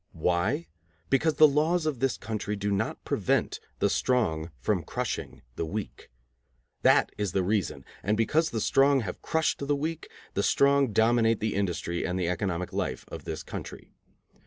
Why? Because the laws of this country do not prevent the strong from crushing the weak. That is the reason, and because the strong have crushed the weak the strong dominate the industry and the economic life of this country.